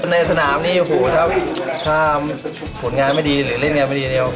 ในสนามนี้ถ้าผลงานไม่ดีหรือเล่นงานไม่ดี